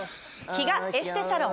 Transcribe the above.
比嘉エステサロン